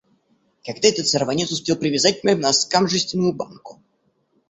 Когда этот сорванец успел привязать к моим носкам жестяную банку?